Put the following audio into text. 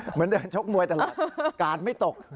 เหมือนเดินชกมวยตลอดกาดไม่ตก